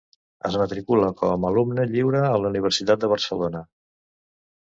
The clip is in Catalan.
Es matricula com a alumne lliure a la Universitat de Barcelona.